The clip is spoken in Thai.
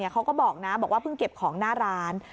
เขาก็บอกนะบอกว่าเพิ่งเก็บของหน้าร้าน